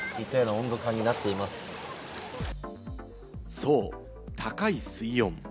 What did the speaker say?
そう、高い水温。